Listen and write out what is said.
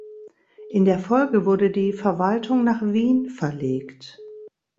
In der Folge wurde die Verwaltung nach Wien verlegt.